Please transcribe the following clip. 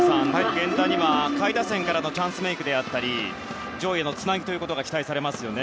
源田には、下位打線からのチャンスメイクであったり上位へのつなぎが期待されますね。